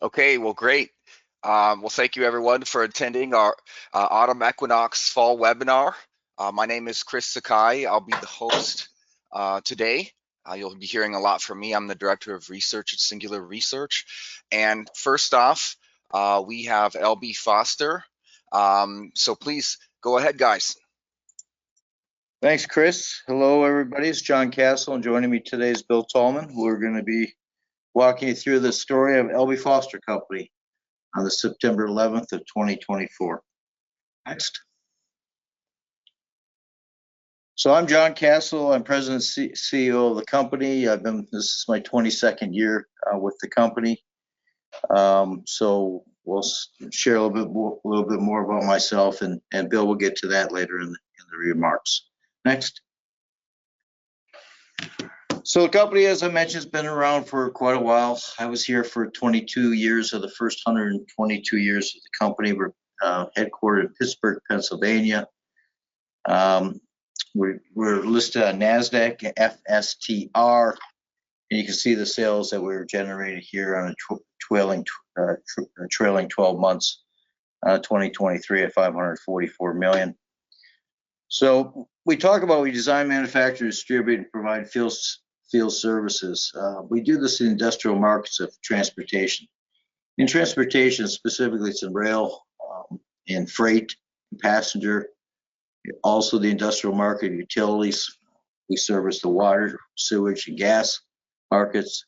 Okay, well, great. Well, thank you everyone for attending our Autumn Equinox Fall Webinar. My name is Chris Sakai. I'll be the host today. You'll be hearing a lot from me. I'm the Director of Research at Singular Research. And first off, we have L.B. Foster. So please, go ahead, guys. Thanks, Chris. Hello, everybody, it's John Kasel, and joining me today is Bill Thalman. We're gonna be walking you through the story of L.B. Foster Company on the September 11th of 2024. Next. So I'm John Kasel, I'm President and CEO of the company. I've been—this is my 22nd year with the company. So we'll share a little bit more about myself, and Bill will get to that later in the remarks. Next. So the company, as I mentioned, has been around for quite a while. I was here for 22 years of the first 122 years of the company. We're headquartered in Pittsburgh, Pennsylvania. We're listed on Nasdaq FSTR, and you can see the sales that we've generated here on a trailing 12 months, 2023 at $544 million. We talk about, we design, manufacture, distribute, and provide field services. We do this in industrial markets of transportation. In transportation, specifically, some rail, and freight, and passenger, also the industrial market, utilities. We service the water, sewage, and gas markets,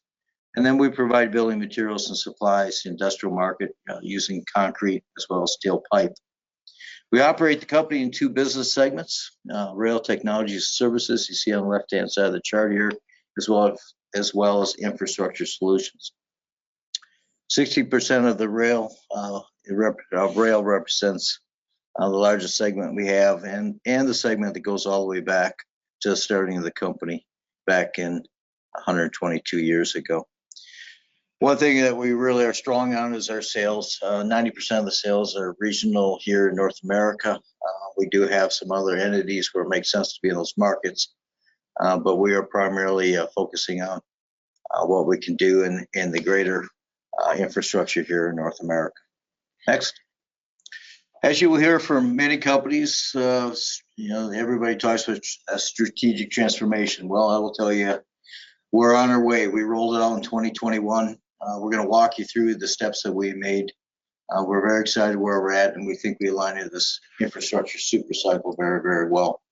and then we provide building materials and supplies to industrial market, using concrete as well as steel pipe. We operate the company in two business segments, rail technologies and services, you see on the left-hand side of the chart here, as well as infrastructure solutions. 60% of the rail represents the largest segment we have, and the segment that goes all the way back to starting the company back in 122 years ago. One thing that we really are strong on is our sales. 90% of the sales are regional here in North America. We do have some other entities where it makes sense to be in those markets, but we are primarily focusing on what we can do in the greater infrastructure here in North America. Next. As you will hear from many companies, you know, everybody talks about a strategic transformation. Well, I will tell you, we're on our way. We rolled it out in 2021. We're gonna walk you through the steps that we made. We're very excited where we're at, and we think we align into this Infrastructure Super Cycle very, very well.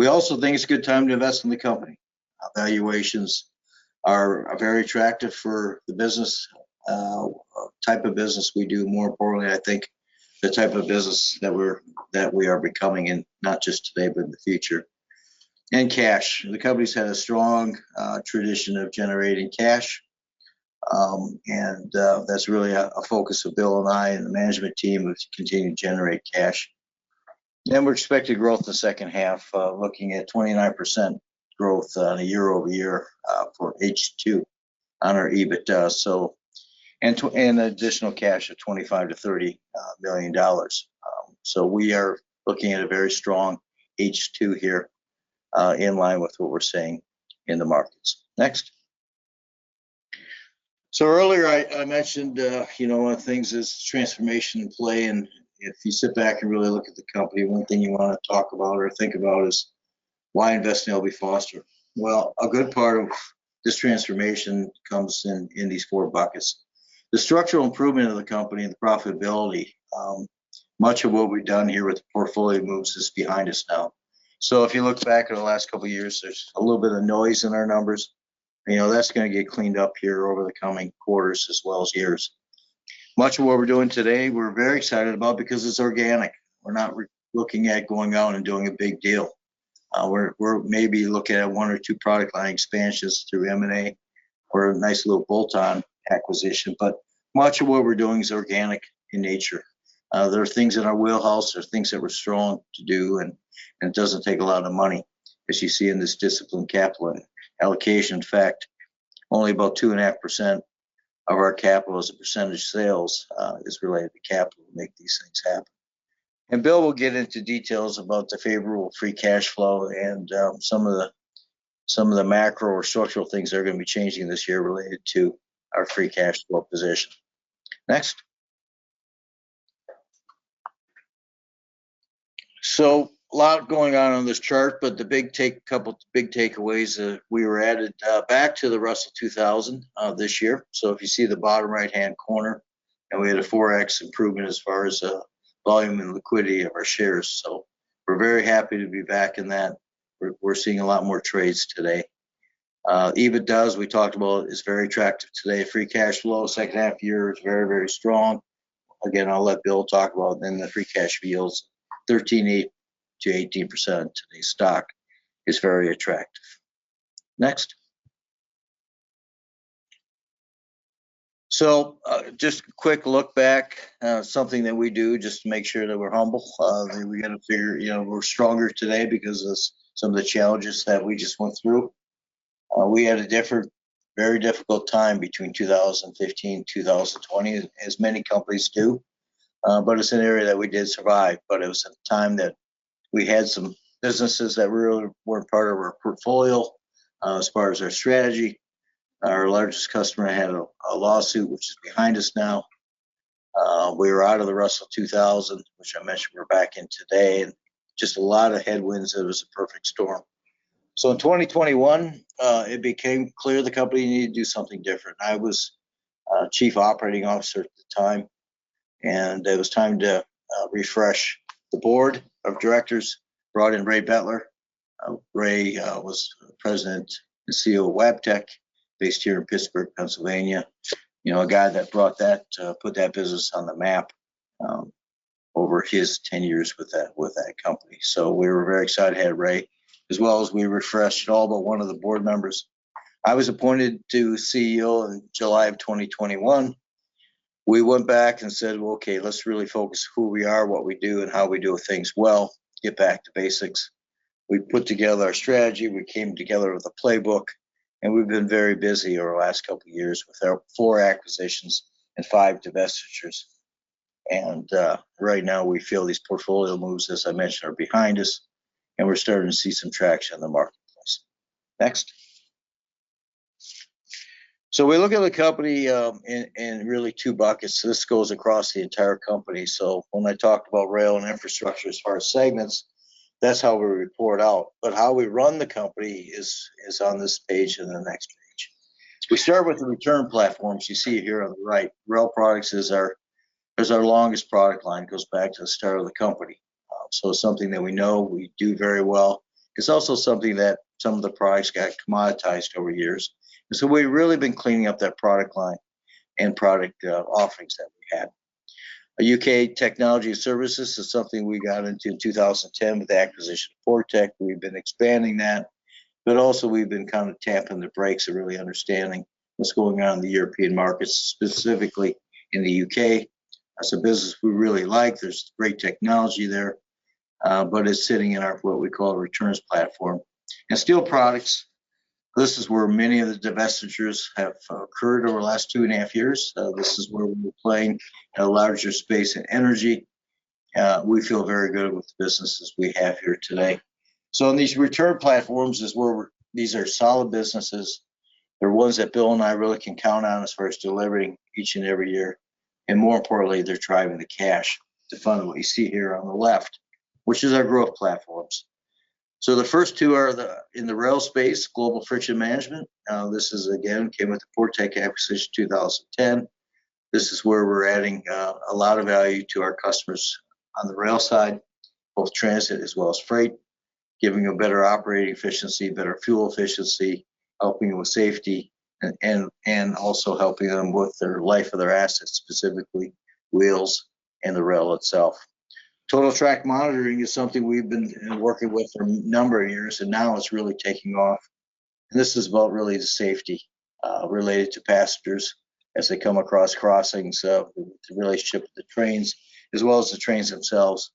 We also think it's a good time to invest in the company. Valuations are very attractive for the type of business we do. More importantly, I think the type of business that we are becoming, not just today, but in the future. And cash. The company's had a strong tradition of generating cash, and that's really a focus of Bill and I, and the management team, is to continue to generate cash. Then we're expecting growth in the second half, looking at 29% growth on a year-over-year for H2 on our EBITDA, and additional cash of $25 billion-$30 billion. So we are looking at a very strong H2 here, in line with what we're seeing in the markets. Next. So earlier I mentioned, you know, one of the things is transformation in play, and if you sit back and really look at the company, one thing you want to talk about or think about is why invest in L.B. Foster? Well, a good part of this transformation comes in these four buckets. The structural improvement of the company and the profitability, much of what we've done here with the portfolio moves is behind us now. So if you look back at the last couple of years, there's a little bit of noise in our numbers. You know, that's gonna get cleaned up here over the coming quarters as well as years. Much of what we're doing today, we're very excited about because it's organic. We're not looking at going out and doing a big deal. We're maybe looking at one or two product line expansions through M&A, or a nice little bolt-on acquisition, but much of what we're doing is organic in nature. There are things in our wheelhouse, there are things that we're strong to do, and it doesn't take a lot of money, as you see in this disciplined capital allocation. In fact, only about 2.5% of our capital as a percentage of sales is related to capital to make these things happen. And Bill will get into details about the favorable free cash flow and some of the macro or structural things that are gonna be changing this year related to our free cash flow position. Next. So a lot going on on this chart, but the big take, couple of big takeaways, we were added back to the Russell 2000 this year. So if you see the bottom right-hand corner, and we had a 4X improvement as far as volume and liquidity of our shares. So we're very happy to be back in that. We're seeing a lot more trades today. EBITDA, we talked about, is very attractive today. Free cash flow, second half year is very, very strong. Again, I'll let Bill talk about the free cash flows, 13.8%-18%. The stock is very attractive. Next. So, just a quick look back, something that we do just to make sure that we're humble. We gotta figure, you know, we're stronger today because of some of the challenges that we just went through. We had a very difficult time between 2015 and 2020, as many companies do. But it's an era that we did survive, but it was at a time that we had some businesses that really weren't part of our portfolio, as far as our strategy. Our largest customer had a lawsuit, which is behind us now. We were out of the Russell 2000, which I mentioned we're back in today, and just a lot of headwinds. It was a perfect storm. So in 2021, it became clear the company needed to do something different. I was chief operating officer at the time, and it was time to refresh the board of directors. Brought in Ray Betler. Ray was president and CEO of Wabtec, based here in Pittsburgh, Pennsylvania. You know, a guy that brought that put that business on the map over his ten years with that company. So we were very excited to have Ray, as well as we refreshed all but one of the board members. I was appointed to CEO in July of 2021. We went back and said, "Well, okay, let's really focus who we are, what we do, and how we do things well. Get back to basics." We put together our strategy, we came together with a playbook, and we've been very busy over the last couple of years with our four acquisitions and five divestitures. Right now, we feel these portfolio moves, as I mentioned, are behind us, and we're starting to see some traction in the marketplace. Next. We look at the company in really two buckets. This goes across the entire company. When I talked about rail and infrastructure as far as segments, that's how we report out, but how we run the company is on this page and the next page. We start with the return platforms you see here on the right. Rail Products is our longest product line, goes back to the start of the company. Something that we know we do very well. It's also something that some of the products got commoditized over the years, and so we've really been cleaning up that product line and product offerings that we had. Our U.K. technology services is something we got into in 2010 with the acquisition of Portec. We've been expanding that, but also we've been kind of tapping the brakes and really understanding what's going on in the European markets, specifically in the U.K. That's a business we really like. There's great technology there, but it's sitting in our, what we call a returns platform. And steel products, this is where many of the divestitures have occurred over the last two and a half years. This is where we're playing in a larger space in energy. We feel very good with the businesses we have here today. So in these return platforms is where we're—these are solid businesses. They're ones that Bill and I really can count on as far as delivering each and every year, and more importantly, they're driving the cash to fund what you see here on the left, which is our growth platforms. So the first two are the, in the rail space, Global Friction Management. This is, again, came with the Portec acquisition in 2010. This is where we're adding a lot of value to our customers on the rail side, both transit as well as freight, giving them better operating efficiency, better fuel efficiency, helping with safety, and also helping them with their life of their assets, specifically wheels and the rail itself. Total Track Monitoring is something we've been working with for a number of years, and now it's really taking off. This is about really the safety related to passengers as they come across crossings, the relationship with the trains, as well as the trains themselves,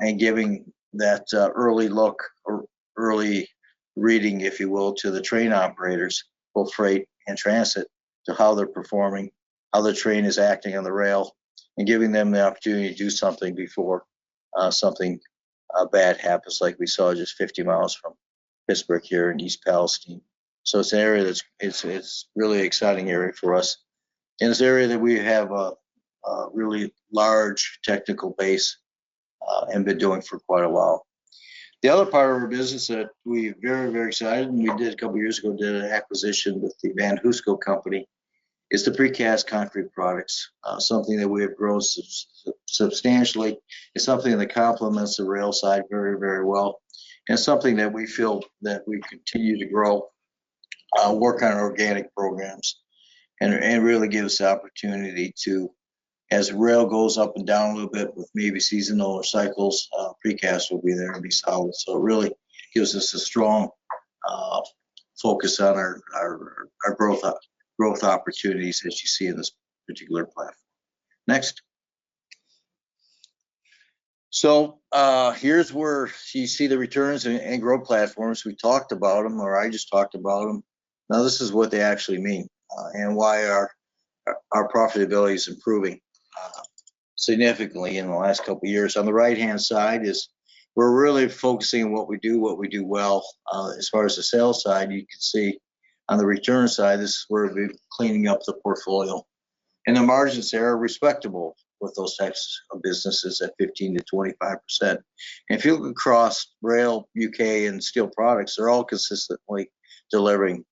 and giving that early look or early reading, if you will, to the train operators, both freight and transit, to how they're performing, how the train is acting on the rail, and giving them the opportunity to do something before something bad happens, like we saw just 50 mi from Pittsburgh here in East Palestine. So it's an area that's... It's a really exciting area for us, and it's an area that we have a really large technical base, and been doing for quite a while. The other part of our business that we're very, very excited, and we did a couple of years ago, did an acquisition with the VanHooseCo company, is the precast concrete products. Something that we have grown substantially. It's something that complements the rail side very, very well, and something that we feel that we continue to grow, work on organic programs. And it really gives us the opportunity to, as rail goes up and down a little bit with maybe seasonal cycles, precast will be there and be solid. So it really gives us a strong focus on our growth opportunities as you see in this particular platform. Next. So, here's where you see the returns and growth platforms. We talked about them, or I just talked about them. Now, this is what they actually mean, and why our, our profitability is improving, significantly in the last couple of years. On the right-hand side is we're really focusing on what we do, what we do well. As far as the sales side, you can see on the return side, this is where we're cleaning up the portfolio, and the margins there are respectable with those types of businesses at 15%-25%. If you look across rail, UK, and steel products, they're all consistently delivering,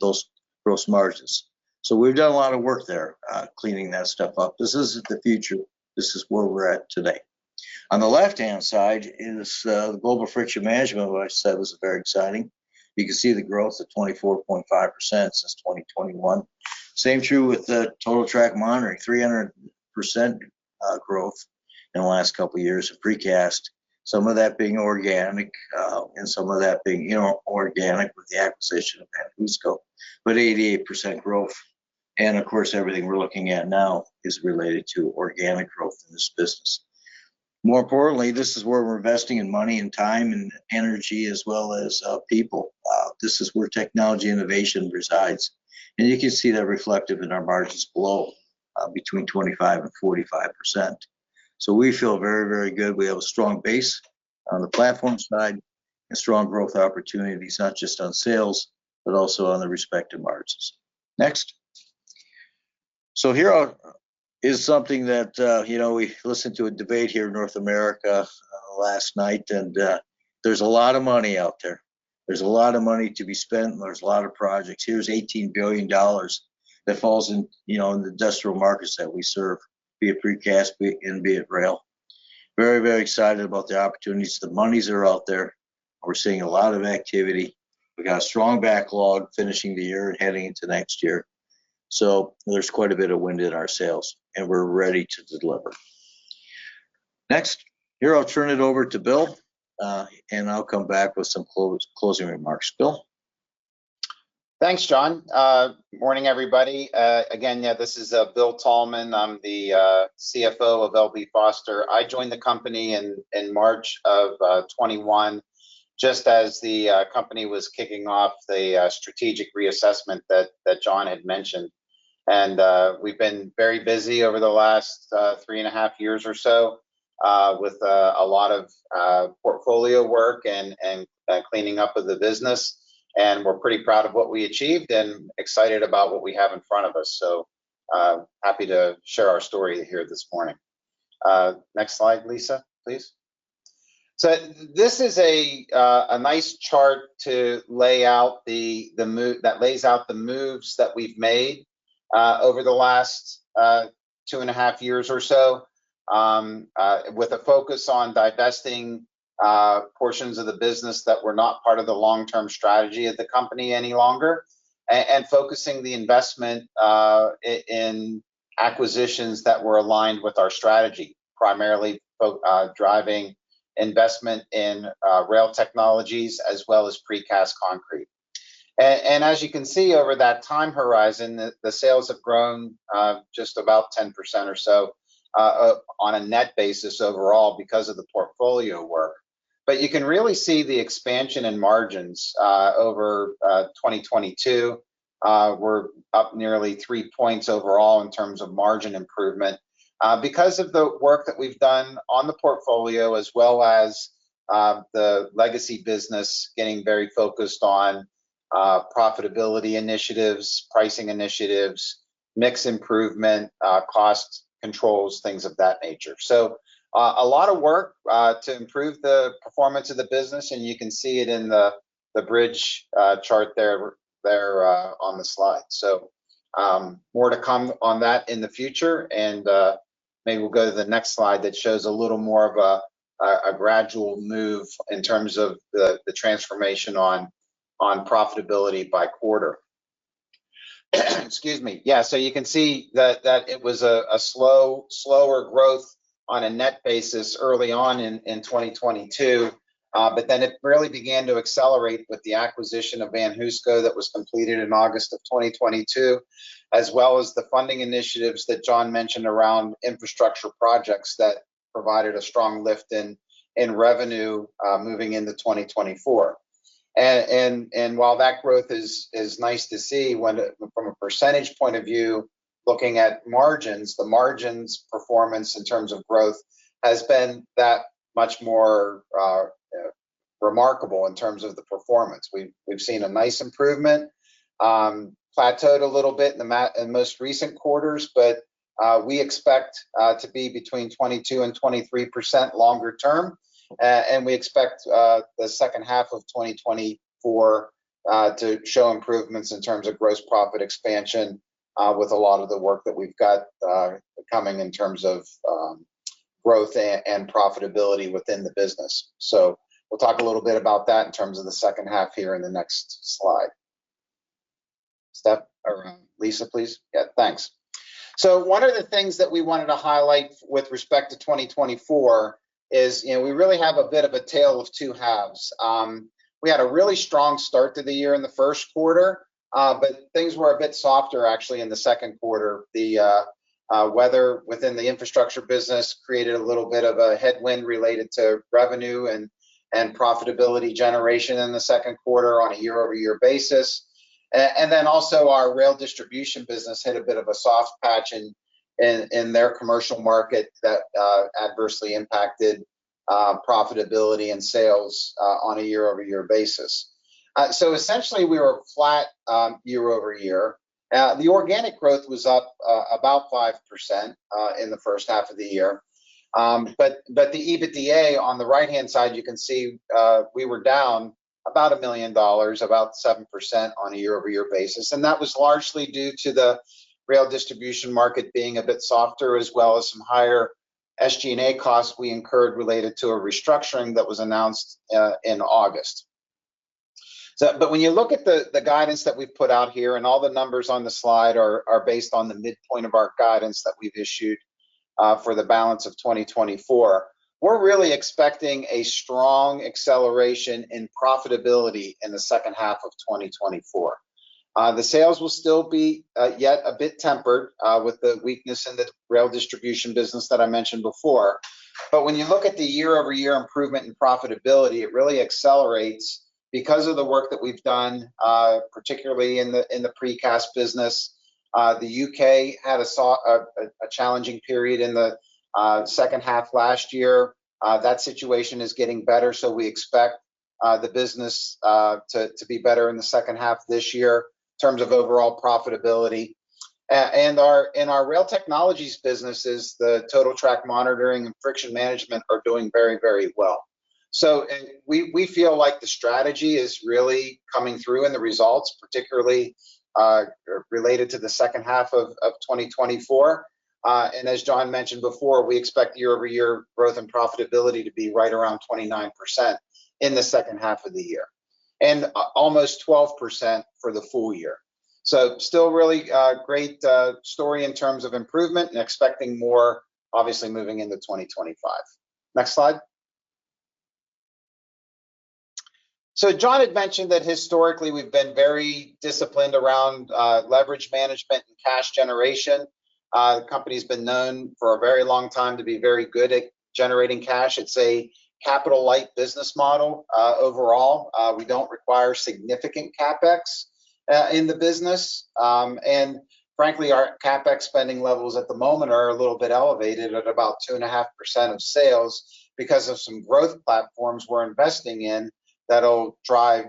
those gross margins. So we've done a lot of work there, cleaning that stuff up. This isn't the future. This is where we're at today. On the left-hand side is, the Global Friction Management, what I said was very exciting. You can see the growth of 24.5% since 2021. Same true with the Total Track Monitoring, 300% growth in the last couple of years of precast, some of that being organic, and some of that being, you know, organic with the acquisition of VanHooseCo, but 88% growth. Of course, everything we're looking at now is related to organic growth in this business. More importantly, this is where we're investing in money, and time, and energy, as well as people. This is where technology innovation resides, and you can see that reflective in our margins below, between 25% and 45%. So we feel very, very good. We have a strong base on the platform side and strong growth opportunities, not just on sales, but also on the respective margins. Next. So here's something that, you know, we listened to a debate here in North America last night, and there's a lot of money out there. There's a lot of money to be spent, and there's a lot of projects. Here's $18 billion that falls in, you know, in the industrial markets that we serve, be it precast, be it rail. Very, very excited about the opportunities. The monies are out there, and we're seeing a lot of activity. We got a strong backlog finishing the year and heading into next year, so there's quite a bit of wind in our sails, and we're ready to deliver. Next. Here, I'll turn it over to Bill, and I'll come back with some closing remarks. Bill? Thanks, John. Morning, everybody. Again, yeah, this is Bill Thalman. I'm the CFO of L.B. Foster. I joined the company in March of 2021, just as the company was kicking off the strategic reassessment that John had mentioned. And we've been very busy over the last three and a half years or so with a lot of portfolio work and cleaning up of the business, and we're pretty proud of what we achieved and excited about what we have in front of us, so happy to share our story here this morning. Next slide, Lisa, please. So this is a nice chart to lay out the moves that we've made over the last two and a half years or so. With a focus on divesting portions of the business that were not part of the long-term strategy of the company any longer and focusing the investment in acquisitions that were aligned with our strategy, primarily driving investment in rail technologies as well as precast concrete. And as you can see, over that time horizon, the sales have grown just about 10% or so on a net basis overall because of the portfolio work. But you can really see the expansion in margins over 2022. We're up nearly three points overall in terms of margin improvement because of the work that we've done on the portfolio, as well as the legacy business getting very focused on profitability initiatives, pricing initiatives, mix improvement, cost controls, things of that nature. So, a lot of work to improve the performance of the business, and you can see it in the bridge chart there on the slide. More to come on that in the future, and maybe we'll go to the next slide that shows a little more of a gradual move in terms of the transformation on profitability by quarter. Excuse me. Yeah, so you can see that it was a slow, slower growth on a net basis early on in 2022. But then it really began to accelerate with the acquisition of VanHooseCo that was completed in August of 2022, as well as the funding initiatives that John mentioned around infrastructure projects that provided a strong lift in revenue moving into 2024. While that growth is nice to see, from a percentage point of view, looking at margins, the margins performance in terms of growth has been that much more remarkable in terms of the performance. We've seen a nice improvement, plateaued a little bit in most recent quarters, but we expect to be between 22% and 23% longer term. We expect the second half of 2024 to show improvements in terms of gross profit expansion, with a lot of the work that we've got coming in terms of growth and profitability within the business. So we'll talk a little bit about that in terms of the second half here in the next slide. Next, Lisa, please. Yeah, thanks. So one of the things that we wanted to highlight with respect to 2024 is, you know, we really have a bit of a tale of two halves. We had a really strong start to the year in the first quarter, but things were a bit softer actually in the second quarter. The weather within the infrastructure business created a little bit of a headwind related to revenue and profitability generation in the second quarter on a year-over-year basis, and then also, our rail distribution business had a bit of a soft patch in their commercial market that adversely impacted profitability and sales on a year-over-year basis, so essentially, we were flat year-over-year. The organic growth was up about 5% in the first half of the year. But the EBITDA, on the right-hand side, you can see, we were down about $1 million, about 7% on a year-over-year basis, and that was largely due to the rail distribution market being a bit softer, as well as some higher SG&A costs we incurred related to a restructuring that was announced in August. So but when you look at the guidance that we've put out here, and all the numbers on the slide are based on the midpoint of our guidance that we've issued for the balance of 2024, we're really expecting a strong acceleration in profitability in the second half of 2024. The sales will still be yet a bit tempered with the weakness in the rail distribution business that I mentioned before. But when you look at the year-over-year improvement in profitability, it really accelerates because of the work that we've done, particularly in the precast business. The U.K. had a sort of challenging period in the second half last year. That situation is getting better, so we expect the business to be better in the second half this year in terms of overall profitability. And our rail technologies businesses, the Total Track Monitoring and Friction Management are doing very, very well. So, and we feel like the strategy is really coming through in the results, particularly related to the second half of 2024. And as John mentioned before, we expect year-over-year growth and profitability to be right around 29% in the second half of the year, and almost 12% for the full year. So still really great story in terms of improvement and expecting more, obviously, moving into 2025. Next slide. So John had mentioned that historically we've been very disciplined around leverage management and cash generation. The company's been known for a very long time to be very good at generating cash. It's a capital-light business model. Overall, we don't require significant CapEx in the business. And frankly, our CapEx spending levels at the moment are a little bit elevated at about 2.5% of sales because of some growth platforms we're investing in that'll drive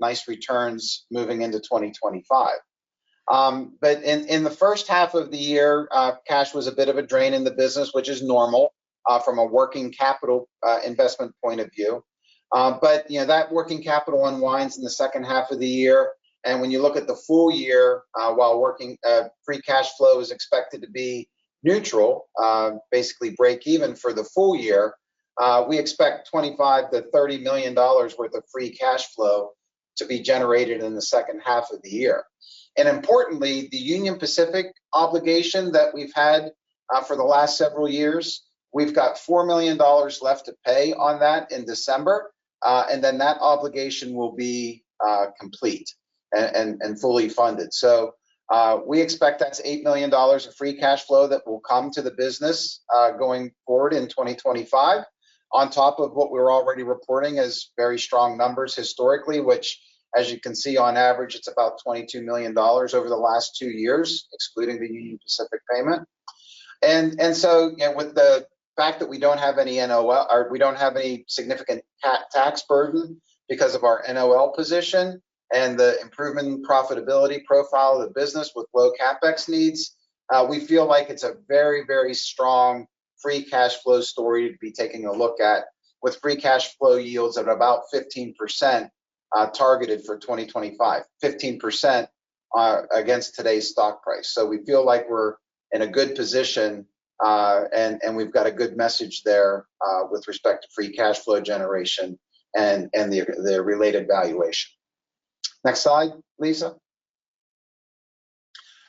nice returns moving into 2025. But in the first half of the year, cash was a bit of a drain in the business, which is normal from a working capital investment point of view. You know, that working capital unwinds in the second half of the year, and when you look at the full year, while free cash flow is expected to be neutral, basically break even for the full year, we expect $25-$30 million worth of free cash flow to be generated in the second half of the year. And importantly, the Union Pacific obligation that we've had for the last several years, we've got $4 million left to pay on that in December, and then that obligation will be complete and fully funded. So, we expect that's $8 million of free cash flow that will come to the business, going forward in 2025, on top of what we're already reporting as very strong numbers historically, which, as you can see, on average, it's about $22 million over the last two years, excluding the Union Pacific payment. And so, you know, with the fact that we don't have any NOL, or we don't have any significant tax burden because of our NOL position and the improving profitability profile of the business with low CapEx needs, we feel like it's a very, very strong free cash flow story to be taking a look at, with free cash flow yields at about 15%, targeted for 2025. 15%, against today's stock price. So we feel like we're in a good position, and we've got a good message there with respect to free cash flow generation and the related valuation. Next slide, Lisa.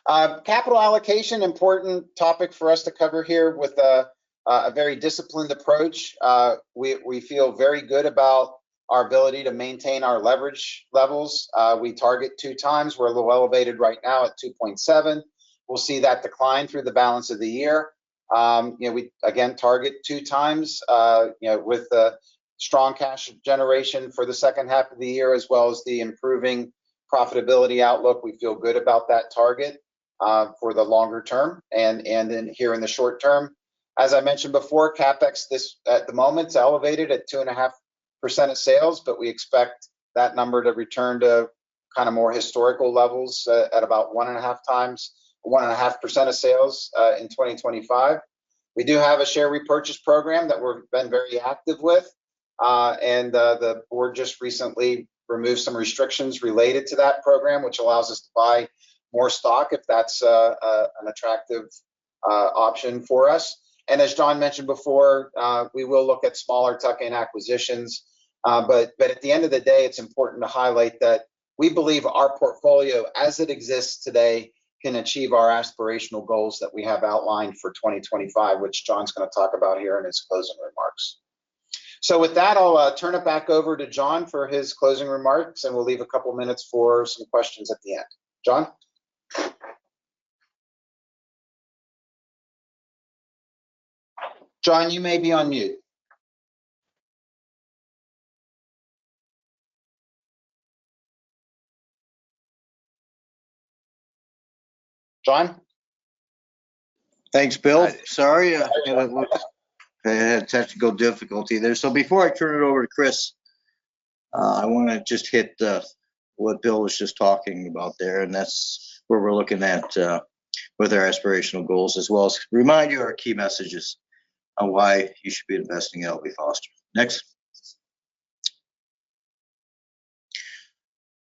Capital allocation, important topic for us to cover here with a very disciplined approach. We feel very good about our ability to maintain our leverage levels. We target two times. We're a little elevated right now at 2.7. We'll see that decline through the balance of the year. You know, we again target 2x, you know, with a strong cash generation for the second half of the year, as well as the improving profitability outlook. We feel good about that target for the longer term and then here in the short term. As I mentioned before, CapEx, this, at the moment, is elevated at 2.5% of sales, but we expect that number to return to kind of more historical levels, at about 1.5% of sales, in 2025. We do have a share repurchase program that we've been very active with. And, the board just recently removed some restrictions related to that program, which allows us to buy more stock if that's, an attractive, option for us. And as John mentioned before, we will look at smaller tuck-in acquisitions. At the end of the day, it's important to highlight that we believe our portfolio, as it exists today, can achieve our aspirational goals that we have outlined for 2025, which John's gonna talk about here in his closing remarks, so with that, I'll turn it back over to John for his closing remarks, and we'll leave a couple of minutes for some questions at the end. John? John, you may be on mute. John? Thanks, Bill. Sorry, I had a technical difficulty there. Before I turn it over to Chris, I wanna just hit what Bill was just talking about there, and that's where we're looking at with our aspirational goals, as well as remind you our key messages on why you should be investing in L.B. Foster. Next.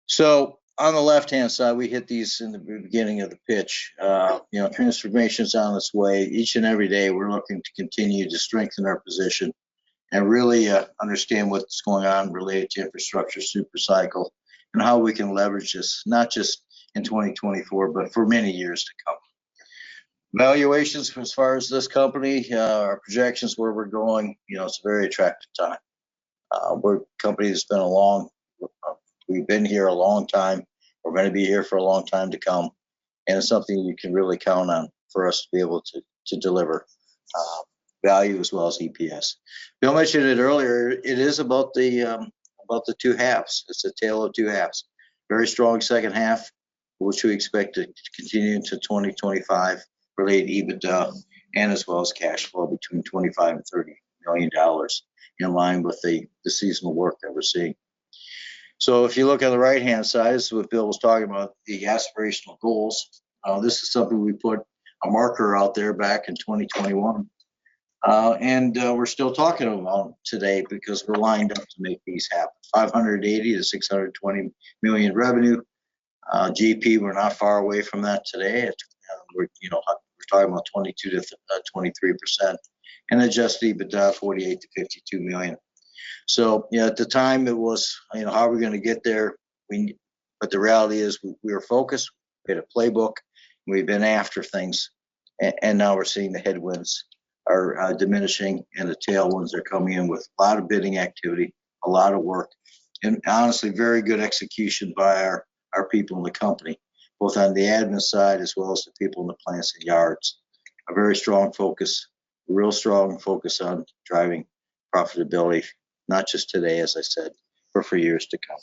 So on the left-hand side, we hit these in the beginning of the pitch. You know, transformation's on its way. Each and every day, we're looking to continue to strengthen our position and really understand what's going on related to Infrastructure Super Cycle and how we can leverage this, not just in 2024, but for many years to come. Valuations as far as this company, our projections, where we're going, you know, it's a very attractive time. Company has been a long... We've been here a long time, we're gonna be here for a long time to come, and it's something you can really count on for us to be able to, to deliver, value as well as EPS. Bill mentioned it earlier, it is about the two halves. It's a tale of two halves. Very strong second half, which we expect to continue into 2025, related EBITDA, and as well as cash flow between $25-$30 million, in line with the seasonal work that we're seeing. So if you look on the right-hand side, this is what Bill was talking about, the aspirational goals. This is something we put a marker out there back in 2021. And we're still talking about them today because we're lined up to make these happen. $580-$620 million revenue. GP, we're not far away from that today. It... You know, we're talking about 22%-23%, and adjusted EBITDA, $48-$52 million. So, you know, at the time it was, you know, how are we gonna get there? We... But the reality is, we were focused, we had a playbook, and we've been after things, and now we're seeing the headwinds are diminishing and the tailwinds are coming in with a lot of bidding activity, a lot of work, and honestly, very good execution by our people in the company, both on the admin side as well as the people in the plants and yards. A very strong focus, real strong focus on driving profitability, not just today, as I said, but for years to come.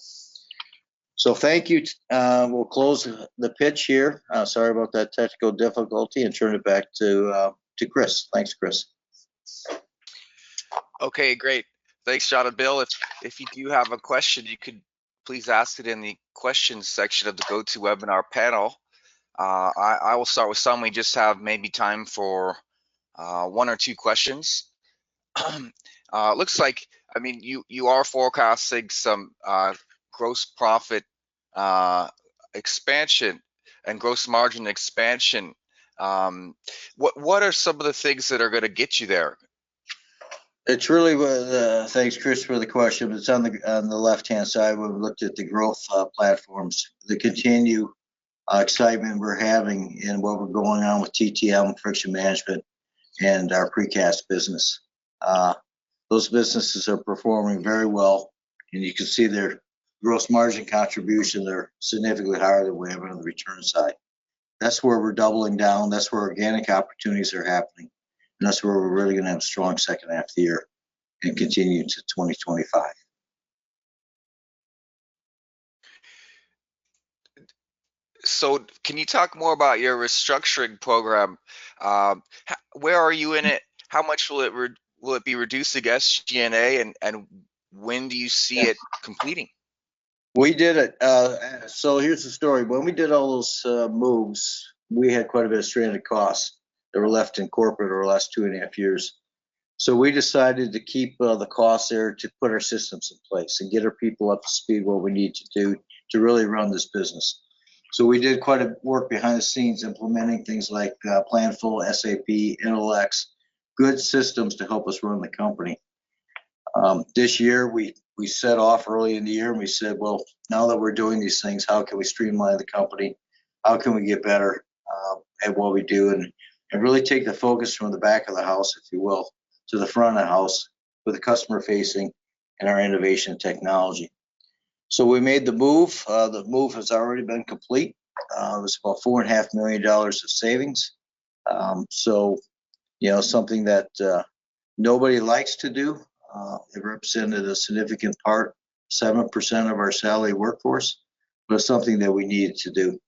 So thank you. We'll close the pitch here. Sorry about that technical difficulty, and turn it back to Chris. Thanks, Chris. Okay, great. Thanks, John and Bill. If you do have a question, you could please ask it in the questions section of the GoToWebinar panel. I will start with some. We just have maybe time for one or two questions. It looks like, I mean, you are forecasting some gross profit expansion and gross margin expansion. What are some of the things that are gonna get you there? It's really, thanks, Chris, for the question. It's on the left-hand side, where we looked at the growth platforms. The continued excitement we're having in what we're going on with TTM and friction management and our precast business. Those businesses are performing very well, and you can see their gross margin contribution there, significantly higher than we have on the return side. That's where we're doubling down, that's where organic opportunities are happening, and that's where we're really gonna have a strong second half of the year and continue into 2025. So can you talk more about your restructuring program? Where are you in it? How much will it be reduced against SG&A, and when do you see it completing? We did it... so here's the story. When we did all those, moves, we had quite a bit of stranded costs that were left in corporate over the last two and a half years. So we decided to keep the costs there to put our systems in place and get our people up to speed what we need to do to really run this business. So we did quite a work behind the scenes, implementing things like, Planful, SAP, Intelex, good systems to help us run the company. This year, we set off early in the year and we said, "Well, now that we're doing these things, how can we streamline the company? How can we get better at what we do, and really take the focus from the back of the house, if you will, to the front of the house, with the customer-facing and our innovation technology?" So we made the move. The move has already been complete. It was about $4.5 million of savings. So, you know, something that nobody likes to do. It represented a significant part, 7% of our salary workforce, but something that we needed to do.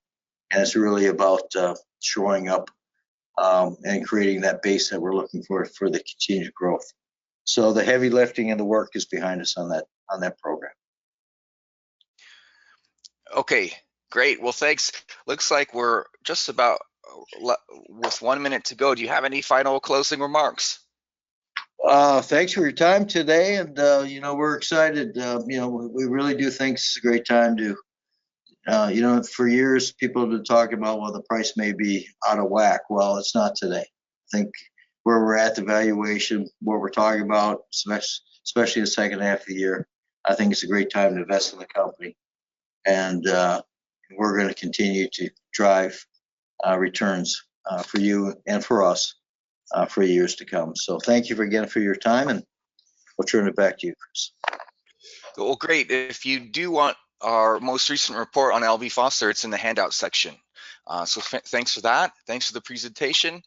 And it's really about shoring up and creating that base that we're looking for the continued growth. So the heavy lifting and the work is behind us on that, on that program. Okay, great. Well, thanks. Looks like we're just about with one minute to go. Do you have any final closing remarks? Thanks for your time today and, you know, we're excited. You know, we really do think this is a great time to... You know, for years, people have been talking about, well, the price may be out of whack. Well, it's not today. I think where we're at, the valuation, what we're talking about, especially the second half of the year, I think it's a great time to invest in the company. And, we're gonna continue to drive, returns, for you and for us, for years to come. So thank you again for your time, and we'll turn it back to you, Chris. Great. If you do want our most recent report on L.B. Foster, it's in the handout section. Thanks for that, thanks for the presentation.